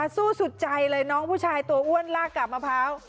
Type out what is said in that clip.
สู้สุดใจเลยน้องผู้ชายตัวอ้วนลากกาบมะพร้าว